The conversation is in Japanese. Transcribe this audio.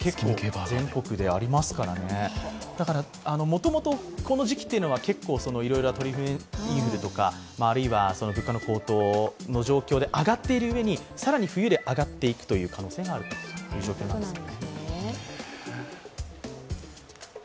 もともと、この時期は結構、鳥インフルとか、あるいは物価の高騰の状況で上がっているうえに更に冬で上がっていくという可能性がある状況なんです。